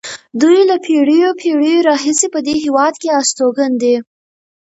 دوی له پېړیو پېړیو راهیسې په دې هېواد کې استوګن دي.